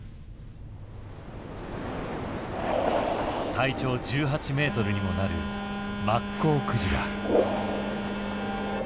体長１８ｍにもなるマッコウクジラ。